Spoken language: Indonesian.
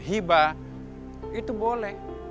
hiba itu boleh